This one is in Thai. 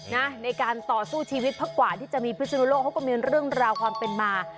ในการต่อสู้ชีวิตเพราะกว่าที่จะมีพิศนุโลกเขาก็มีเรื่องราวความเป็นมา